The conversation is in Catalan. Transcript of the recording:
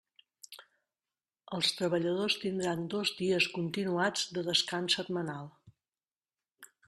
Els treballadors tindran dos dies continuats de descans setmanal.